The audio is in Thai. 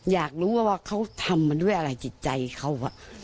อยากรู้ว่าเขาทำมาด้วยอะไรจิตใจเขา